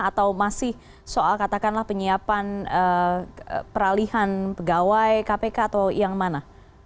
atau masih soal katakanlah penyiapan peralihan pegawai kpk atau yang mana